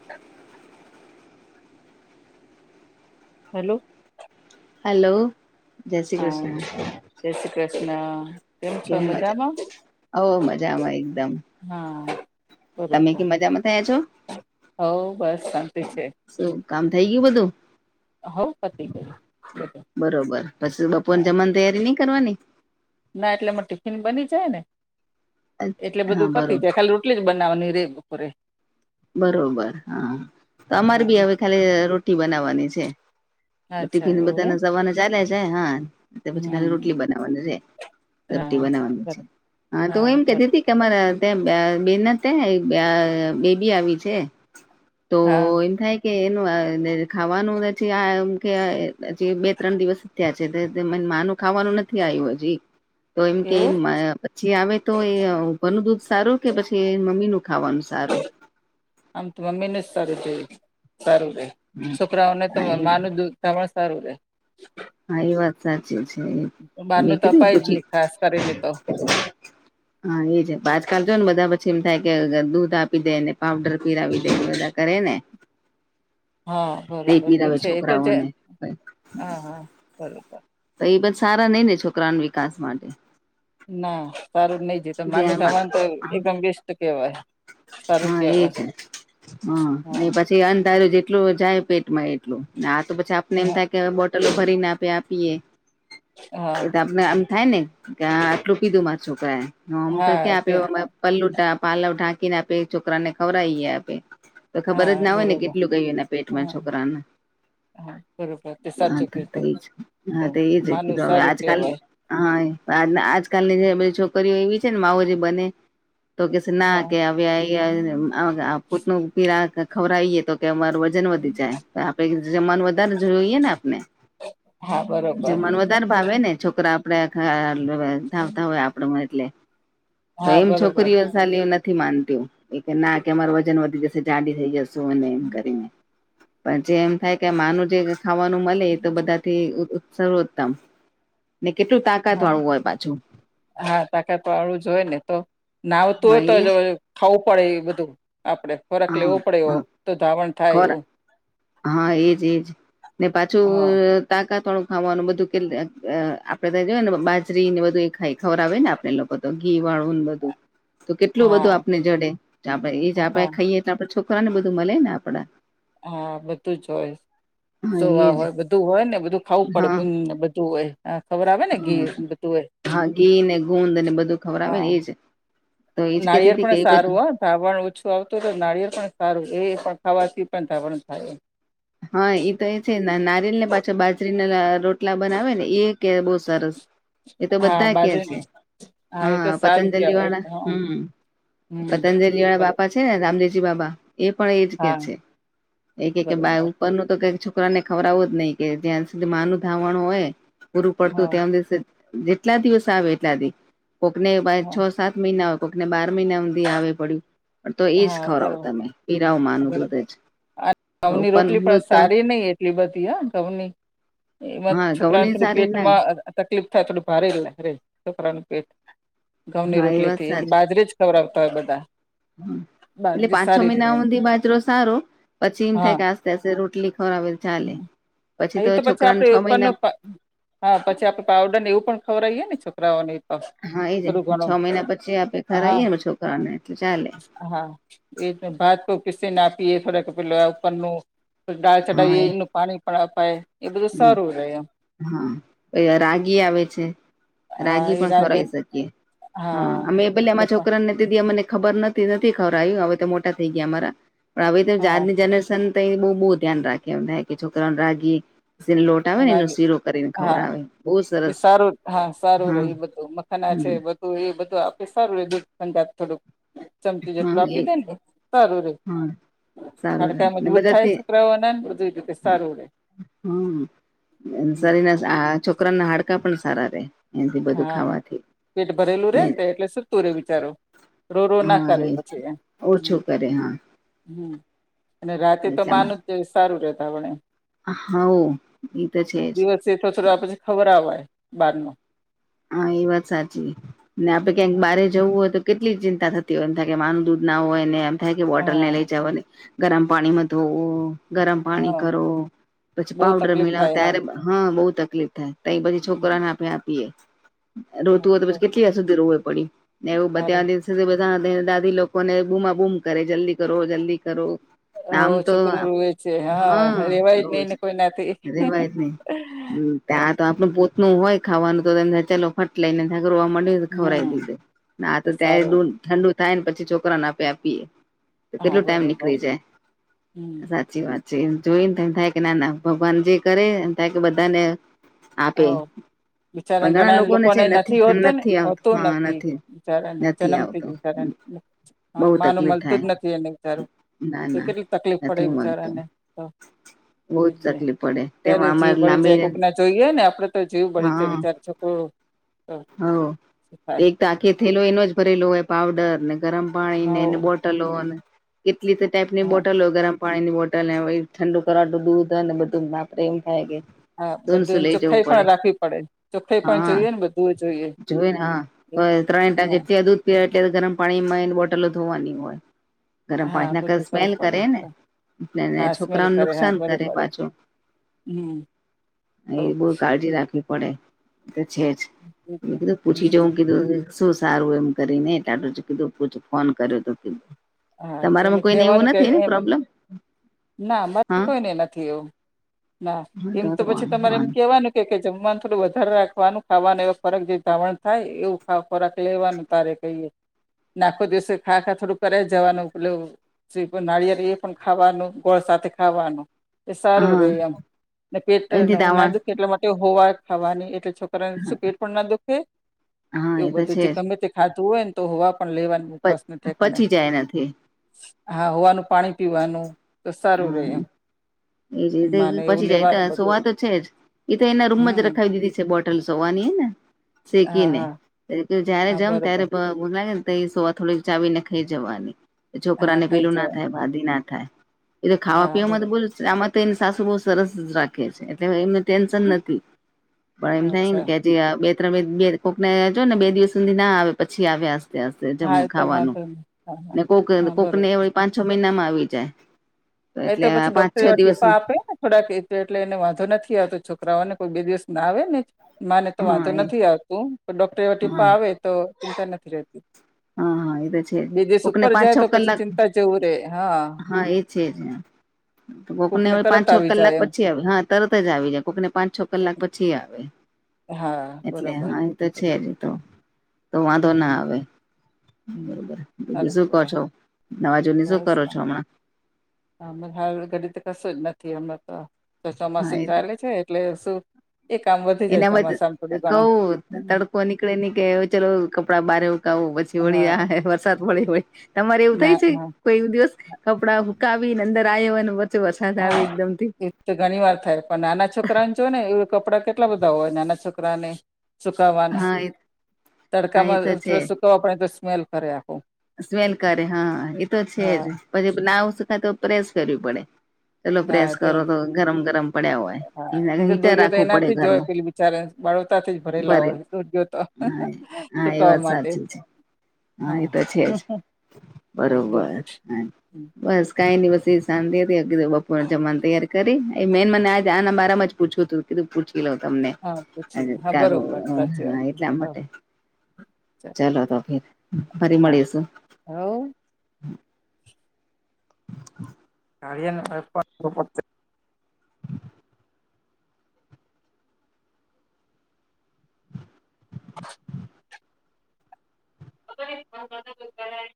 [inaudible] હાલો. Hello જય શ્રી હા કૃષ્ણ. જય શ્રી કૃષ્ણ. છો કેમ મજામાં મજા ઓ ઓ મજામાં એકદમ. હા. તમે કે મજામાં થયા છો હ બસ ઠીક છે શું કામ થઈ ગયું બધું હો પતિ ગયુ બટ. બરોબર પછી બપોર જમવાની તૈયારી નહી કરવાની ના એટલેમાં ટિફિન બની જાય ને એટલે હા બધું બરો પતી જાય ખાલી એટલી જ બનાવાની રે બપોરે. બરોબર હા તો અમારે હા બી હવે ખાલી રોટી બનાવવાની છે. અચ્છા ટિફિન એવું બધાને એમ સવારને ચાલે છે હા. પછી હમ તાલી હમ. રોટલી બનાવવાનું છે રોટલી હા બનાવાનું છે બરોબર હા તો હું એમ કહેતી. તમારા ત્યાં બેન તે બેબી આવી છે. તો હા એમ થાય. કે એનું ખાવાનું આમ કે બે ત્રણ દિવસ ત્યાં છેને માનું ખાવાનું નથી આવ્યું હજી તો એમ કે એવું જે આવે તો એ ઉપર નુ દૂધ સારું કે પછીએનિ મમ્મી નું ખાવાનું સારું આમ તો મમ્મી ને જ સારું જો સારું રહે છોકરાઓને તો હા એ માનું દૂધ તમાર સારું રહેે. મારી વાત સાચી છે બહારનું મેકીઘુ અપાય તો જ પછી. નહી ખાસ કરીને તો હા એ છે પાજકા જો ને બધા પછી એમ થાય કે દૂધ આપી દેને પાવડર પીરાવી દે બધા કરે ને હા તે બરાબર તો પીરાવે છે એ તો છે છોકરાઓને હા હા બરાબર. તો એ બધ સારા નઈ ને છોકરાના વિકાસ માટે. ના સારું નહી છે તો માનું જેમાં સામાન તો એકદમ બેસ્ટ કેવાય સારું હા એ કેવાય જ હા ને પછ. જે અંધારો જેટલું જાય પેટમાં એટલું આ તો પછી આપને એમ થાય. તે બોટલો ભરીને આપે આપીએ એ હા તો આપ. ના આમ થાય ને કે આટલું કીધું મારા છોકરા નામતો હા ક્યાં આમાર. પલ્લુ પાલવ ઢાંકીને આપે છોકરાને ખવરાઈએ આપે તો ખબર જ હા ના હોય ને બરોબર કેટલું ગયું એના પેટમાં હા છોકરાને હા બરોબર તે હા સાચું તો કીધું એ જ તો હા તે એ જ માનું કીધું હવે સારું આજકાલ કેવાય હા આજકાલની જે બધી છોકરીઓ એવી છે ને માઓજી બને તો કે ના હા [unintelligible] પોતનું પી ખબરાએ તો કે અમાર વજન વધી જાય તો આપડે જમમાનું વધારે જોયએ ને આપને હા બરોબર જમવા વધ દર ભાવે ને છોકરા આપડે ધાવતા હોય આપડમાં એટલે [unintelligible] તો હા એમ બરોબર છોકરીઓ સાલી નથી. નથી માનતી એ કે ના કે અમાર વજન વધી જશે જાડી થઈ જશે અને એમ કરીને પણ જે એમ થાય કે માનું જે ખાવાનું મળે એ તો બધાથી સર્વોત્તમ ને કેટલું તાકાત હા વાળું હોય પાછું. હા તાકાત વાળું જો હોય ને તો નાવતું હા હોય તો એજ જો ખાવું પડે એ બધું આપડે ફરક હા લેવો પડે એવો હા તો ધાવણ થાય ખોરા એવું. હા એજ એજ ને પાછું હા તાકા વાળું ખાવાનું બધું કે અ અ આપડે તં જોય ને બાજરી ને બધું એ ખાઈ ખવરાવે ને આપ એ લોકો તો ઘી વાળવું ને બધું. તો કેટલું બધું આપને જડે આપડે એ જ આપે હા ખાઈએ તો આપડે છોકરા ને બધું મળે ને આપડા હા. બધું જ હોય હા સુવા એજ હોય બધું હોય ને બધું ખાવું પડે હા ગુંદ ને બધું હોય. હ ખવરાવે ને હા ઘી બધું એ હા ઘી ને ગુંદ ને બધું ખવરાવે હા. ને એજ તો એજ કેતી નાળિળ હતી કે પણ એ સારું બધું હો. ધાવણ ઓછું આવતું તો નારિયળ પણ સારું એ પણ ખાવાથી પણ ઘાવણ થાય. હા એ તો એ છે નારિેયેલ ને પાછા બાજરીના રોટલા બનાવે ને એ કે બહ સરસ એ તો હા બધા કે છે. બાજરી એ તો હા સારું પતંજલિ કેવાય વાળા હા હમ્મ હમ પતંજલિ વાળા બરોબર બાપા છે ને રામદેવજી બાબા એ પણ એ જ કે હા છે એ કે કે બા બરોબર ઉપરનું તો કઈક છોકરા ને ખવરાવુંજ નહિ કે જ્યાં સુધી મા નનું ધાવણ હોય પૂરું પડતું હા ત્યાં દિવસે જેટલા દિવસ આવે એટલા દિ કોકને હા સાત મહિના હોય કોઈકને બાર મહિના સુધી આવે પડ્યું. પણ તો એજ હા ખવર આવ બરોબર તમે પીરાઓ માનું દૂધ જ ઘઉની રોટલી ઉપરનું પણ દૂધ તો સારી નહિ એટલી બધી હ ઘઉની ઈ મ હા છોકરા ઘઉંની થોડ સારી ના પેટમાં તકલીફ થાય થોડું ભારે રે છોકરાનું પેટ ઘઉં ની હા એ વાત રોટલીથી સાચી બાજરે જ. ખાવરાવતા હોય બધા. એટલે બાજરી પાંચ છ સારી મહિના રહે સુધી બાજરો સારો. પછી એમ થાય હા કે આસ્તે આસ્તે રોટલી ખવરાવે તો ચાલે પછી એ તો છોકરાને આપડે છ ઉપરનો મહિના. હા પછી આપડ પાવડરને એવું પણ ખવરાઈએ ને છોકરાઓને હા એજ થોડું છ ઘણું મહિના પછી આપડે હા ખરાઇ એ ને છોકરાને એટલે ચાલે. હા એ ભાત તો પીસી ઈ નઆપીએ થોડાક પેલા ઉપરનું ડાલ ચઢાઈએ એનું પાણી પા પાાય હમ્મ હા ક રાગી આવે છે. હા રાગી એ પણ રાગે ખવાઈ શકીએ હા અમે પેલા આમા છોકરાને મને ખબર નથી નથી ખવરાવ્યુંહવે તો મોટા થઈ ગયા અમારા પણ હવે હા આજની જનરેશન. ત બહુ બહુ ધ્યાન રાખી એાય કે છોકરાઓને રાગી લોટ આવે ને એનો લાગે શીરો કરીને હા ખવરાવે બહુ એ સરસ સારું હા સારું હા ર બધું મખાના છે હમ બધ તો એ બધું આપડે સારું એ દૂધ [unintelligible] થોડુંક ચમચી જેટલું હા એ આપી દે ને સારું રે. હા સારું હાડકા ને મજબૂત થાય બધાથી છોકરાઓને ને બધું રીતે સારું રહેે. હમ્મ એમ શરીર ના છોકરાના હાડકા પણ સારા રે એથી બધું હા ખાવાથી પેટ ભરેલું રે ને એટલે શું તું રે બિચારું રો રો ના હા કરે એ પછી એમ હમ્મ. ઓછું કરે હા હમ્મ અને રાતે તો માનું જ સારું રેતા પણે હ એ તો છે જ. [unintelligible] ખવરાવાય બાર નું. હા એ વાત સાચી ને આપડે ક્યાંક બારે જવું હોય તો કેટલી ચિંતા થતી હોય એમ થાય કે માનું દૂધ ના હોય ને એમ થાય કે બોટલ ને હા લઇ જવાને ગરમ પાણીમાં ધોવો ગરમ પાણી હા કરો પછી બહુ પાઉડર તકલીફ મિલાવો થાય ત્યારે હા બહુ તકલીફ થાય તય બધે છોકરાને આપડે આપીએે. રોતું હોય તો પછી કેટલી વા સુધી રોવે પડી ને એવું સાર બધા દાદી લોકોને બુમા બૂમ કરે જલ્દી કરો જલ્દી કરો. આમ હ તો છોકરું રોવે છે રેવાય જ હા નહીને કોઈ નાથી છે રેવાય જ નહી હમ્મ. ત્યાં તો આપણું પોતનુ હોય ખાવાનું તો ચાલો ફટ લઈ [unintelligible] ઈ ખવરાવી હમ દઇશે તો ત્યારે સારું દૂધ ઠંડુ થાય ને પછી છોકરાને આપે આપીએે. તો હા કેટલો ટાઈમ બરોબર નીકળી હમ જાય સાચ સાચી વાત છે જોઈ ને થાય કે ના ના ભગવાન જે કરે એ બાકી બધા ને હ બીચારા ઘણા લોકો પણ એ નથી હોતો ને હોતો નથી બીચારા ને નથી જન્મથી આવતો બીચારા ને [unintelligible] હા બહુ માનું તકલીફ મળતું થાય જ નથી એને બચારું ના એ ના કેટલી તકલીફ પડે નથી બિચારા મળતું એને તો બહુ જ એજ ને તકલીફ પડે ત્યારે તેમાં જીવ અમારે બળી જાય લાંબીને કોક ના જોઈ એ ને આપડે તો [unintelligible] હ થાય એક તો આખો થેલો એનો જ ભરેલો હોય પાવડર ને ગરમ પાણી ને એને હવ બોટ થેલો ન કેટલી ટાઈપની હા બોટલો ગરમ પાણીની બોટલ ઠંડુ કરવા દૂધ ને બધું નાખી થાય કે હા ધૂનસું બધુંને લઈ જવું ચોખ્ખાઈ પડે પણ રાખવી પડે ચોખાઈ પણ હા જોઈએ ને બધું જોઈએ. જોય ને હા તો ત્રણ હા ટક જે દૂધ પી એટલે ગરમ પાણીમાં એની બોટલો ધો વાની હોય ગરમ હા પાણી ના કરેતો બધું કરવું સ્મલ પડે કરે ને હા સ્મેલ છોકરાઓને કરે હા નુકસાન કરે બરોબર પાછું. હમ એ તો બહું કાળજી રાખવી પડે તો છે જ એજ મે ને કીધું પૂછી જોવ હમ કીધુ. શું સારું એમ કરીને [unintelligible] કીધુ પૂછ ફોન કર્યો તો કીધુ હા તેને કેવાનું કે એમ ના [unintelligible] હા કોઈને નથી એવું ના એમ તો પછી તમારે એમ કેવાનું કે જમવાનું થોડું વધારે રાખવાનું ખાવાનું એ ખોરાક જે ધાવણ થાય એવું ખોરાક લેવાનું તારે કહીએ આખો દિવસે ખા ખા થોડું કરે જવાનું પેલું જે નારિયેળ એ પણ ખાવાનું ગોળ સાથે ખાવાનું. એ સારું હા રે એમ ને પેટ એથી ના દાવણ દુખ એટલા માટે સવા ખાવાની એટલે છ શું પેટ પણ ના દુખે હા એ એવું તો બધું છે જે જ ગમે તે ખાધું હોય ને તો સાવા પણ લેવાનું ઉપાસના ઠેકાણે કઈ નથી હા સવાનું પાણી પીવાનું સારુ રહે એમ એ જ માને એવું પછી જાય તો લેવાનું બધું સુવા તો છે જ એ તો એના રૂમમાં જ હમ રખાવી દીધી છે બોટ સુવાની ને હા શેકીને હા કે જયારે હા જાવ ત્યારે બરોબર લાગે ને તો એ સુવા થોડીક ચાવી ને ખાઈ જવાની છોકરા હા ને ખાઈ પેલું ના જવાનું થાય વાભી ના થાય એ તો ખાવા હા પીવાવામાં તો બરોબર બોલુ આમાં તો એની સાસુ બહુ સરસ જ રાખે છે એટલે એમને ટેન્સન નથી પણ એમ થાય ને અચ્છા કે જે બે ત્રણ બે કોક ને બે દિવસ સુધી ના આવે પછી આવે આસ્તે આસ્તે હા એ તો ખાવાનું વાંધો નહી હા હા ને કોક હા કોક ને બરોબર એ પાંચ છ મહિનામાં આવી જાય એ તો એટલે પછી પાંચ ડોક્ટર છ એવા દિવસ ટીપા આપે ને થોડાક એ એટલે એને વાંધો નથી આવતો છોકરાઓને કોઈ બે દિવસ ના આવે ને માને તો હા વાંધો એ નથી આવતું પણ ડોક્ટર આવે હા ટીપાં આપે તો ચિંતા નથી રહેતી હા હા એ તો છે બે દિવસ કોકને ઉપર પાંચ છ જાય તો પછી કલાક ચિંતા જવું રે હા છે જ ને કોકને પાંચ તરત છ આવી કલાક જાય એમ પછી આવે હા તરત જ આવી જાય કોકને પાંચ છ કોક કલાક પછી આવે હા એટલે બરોબર હા એ તો છે જ તો તો વાંધો હમ ના હમ આવે હમ બરોબર બીજું સારું શું કો કેવાય છો નવા જુની શું કરો છો હમણાં હ હાલ ઘડી કશું જ નથી અમને તો હા ચોમાસું એ તો ચાલે છે એટલે શું એ કામ વધી જાય એનામાં જ ચોમાસામાં થોડું ઘણું કવું તડકો નીકળે ની કે ચલો કપડા બારે ઉકાવું પછી વળી હા વરસાદ પડી હોય [unintelligible] તમારે એવું ના થાય છે હા કોઈ દિવસ કપડા સુકાવી ને અંદર આયા અને વરસાદ આવે એકદમ થી તે ઘણી વાર થાય પણ નાના છોકરાને જો ને એ કપડાં કેટલા બધા હોય નાના છોકરાને સુકવાના હા એ હા એ તડકામાં તો છે થોડા સુકવવા પડે તો સ્મેલ કરે આખું સ્મેલ કરે હા એ તો છે જ હા પછી નાવ સુખાય તો પ્રેસ કરવી પડે. ચલો હા પ્રેસ તે કરો તો ગરમ ગરમ પડ્યા હોય એ હીટર રાખવું પડે ઘરમાં જારે બાળોતાથી જ ભરેલા ભરે હોય દૂર ગ તો હા હા એ સુકવા વાત માટે સાચી [unintelligible] છે હા એ તો છે જ હા બોલ બરોબર હા. બસ કઈ ની બસ એ શાંતિથી [unintelligible] બાપોરે જમવાની તૈયાર કરી ને એ મેન મને આજ મારામાં જ પૂછવું હતું. કીધું પૂછી લઉ તમને હા એ પૂછી ને હા [unintelligible] બરોબર સાચી વાત હા એટલે આ હા માટે ચાલ ચાલો તો ફિર ફરી મળીસુ. હા. [unintelligible] ગાડી અને [unintelligible] [unintelligible]